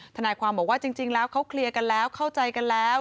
ทนายความบอกว่าจริงแล้วเขาเคลียร์กันแล้วเข้าใจกันแล้ว